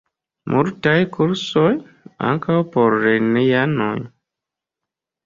Multaj kursoj, ankaŭ por lernejanoj.